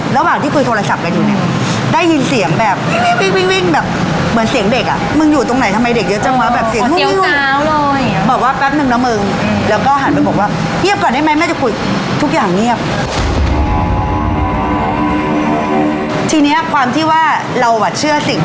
ระหว่างที่คุยโทรศัพท์กันอยู่เนี่ยได้ยินเสียงแบบวิ่ง